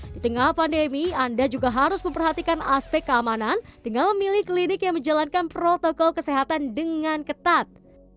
di tengah pandemi anda juga harus memperhatikan aspek keamanan dengan memilih klinik yang menjalankan protokol kesehatan dengan ketat